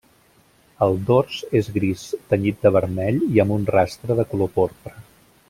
El dors és gris, tenyit de vermell i amb un rastre de color porpra.